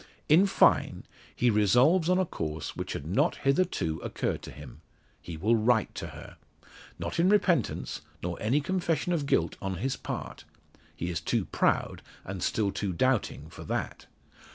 In fine, he resolves on a course which had not hitherto occurred to him he will write to her. Not in repentance, nor any confession of guilt on his part. He is too proud, and still too doubting for that.